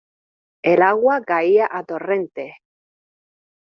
El agua caía a torrentes.